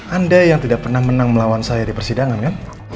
anda yang tidak pernah menang melawan saya di persidangan kan